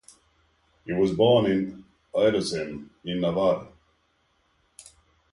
He was born in Idocin in Navarre.